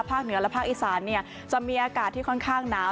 เหนือและภาคอีสานจะมีอากาศที่ค่อนข้างหนาว